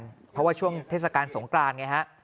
เพราะว่าช่วงเทศกาลสงกรานไงฮะ